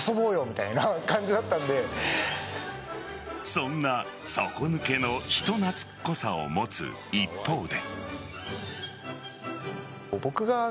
そんな底抜けの人懐っこさを持つ一方で。